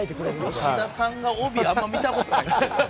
吉田さんが帯あまり見たことない。